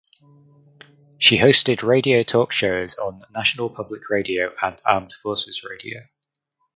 She hosted radio talk shows on National Public Radio and Armed Forces Radio.